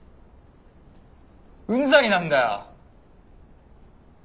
うんざりなんだよ。